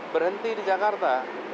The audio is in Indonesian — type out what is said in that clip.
berhenti di jakarta